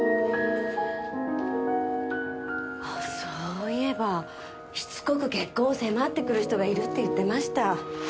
あっそういえばしつこく結婚を迫ってくる人がいるって言ってました。